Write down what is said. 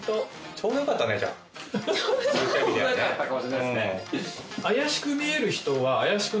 ちょうどよかったかも。